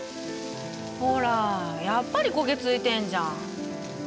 ほらやっぱり焦げついてんじゃん。